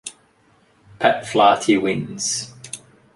Pat Flaherty wins.